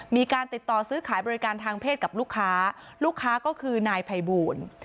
มีการติดต่อซื้อขายบริการทางเพศกับลูกค้าลูกค้าก็คือนายภัยบูล